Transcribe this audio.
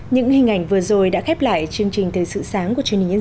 những hình ảnh vừa rồi đã khép lại chương trình thời sự sáng của chương trình nhân dân